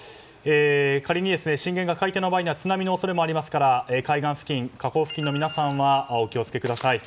仮に震源が海底の場合には津波の恐れもありますから海岸付近、河口付近の皆さんはお気を付けください。